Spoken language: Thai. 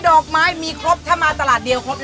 ดอกไม้มีครบถ้ามาตลาดเดียวครบ